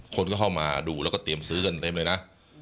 คนก็เข้ามาดูแล้วก็เตรียมซื้อกันเต็มเลยนะ